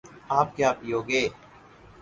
آپ کیا پیو گے